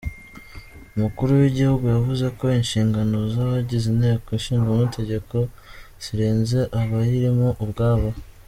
Umukuru w’igihugu yavuze ko inshingano z’abagize Inteko Ishingamategeko zirenze abayirimo ubwabo.